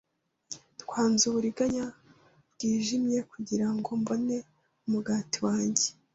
Twanze uburiganya bwijimye, kugirango mbone umugati wanjye